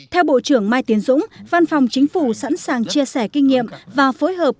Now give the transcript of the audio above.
theo bộ trưởng mai tiến dũng văn phòng chính phủ sẵn sàng chia sẻ kinh nghiệm và phối hợp